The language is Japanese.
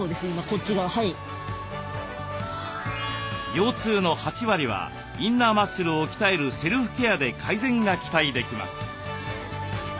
腰痛の８割はインナーマッスルを鍛えるセルフケアで改善が期待できます。